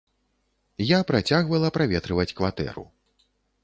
Я працягвала праветрываць кватэру.